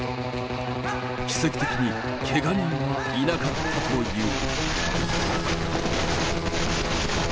奇跡的にけが人はいなかったという。